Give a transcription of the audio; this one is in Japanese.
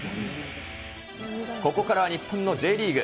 ここからは日本のＪリーグ。